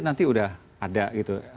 nanti udah ada gitu